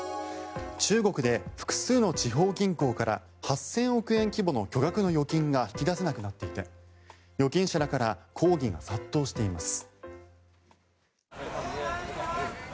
中国で複数の地方銀行から８０００億円規模の巨額の預金が引き出せなくなっていて預金者らから抗議が殺到しています。